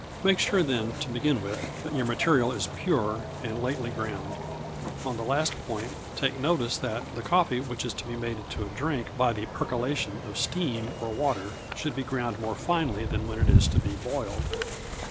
Make sure then, to begin with, that your material is pure and lately ground. On the last point, take notice that the coffee which is to be made into a drink by the percolation of steam or water should be ground more finely than when it is to be boiled.